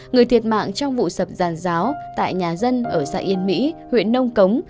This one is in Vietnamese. người thiệt mạng trong vụ sập giàn giáo tại nhà dân ở xã yên mỹ huyện nông cống